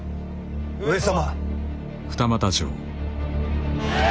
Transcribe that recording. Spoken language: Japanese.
上様。